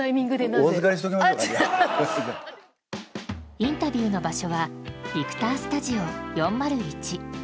インタビューの場所はビクタースタジオ、４０１。